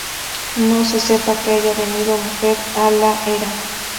No se sepa que haya venido mujer á la era.